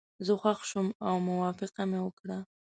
زه خوښ شوم او موافقه مې وکړه.